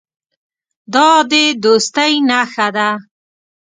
دا د دوستۍ نښه ده.